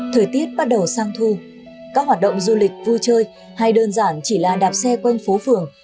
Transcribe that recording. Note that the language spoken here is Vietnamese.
thời tiết bắt đầu sang thu các hoạt động du lịch vui chơi hay đơn giản chỉ là đạp xe quanh phố phường